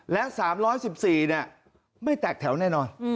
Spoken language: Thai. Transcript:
และ๓๑๔ไม่แตกแถวแน่นอน